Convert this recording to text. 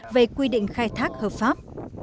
về quy định khai thác hợp pháp